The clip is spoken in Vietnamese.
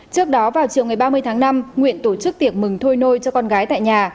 trước đó vào chiều ngày ba mươi tháng năm nguyện tổ chức tiệc mừng thôi nôi cho con gái tại nhà